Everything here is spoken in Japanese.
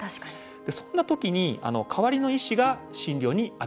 そんな時に代わりの医師が診療に当たっていくと。